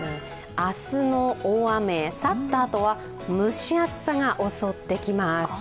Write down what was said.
明日の大雨、去ったあとは蒸し暑さが襲ってきます。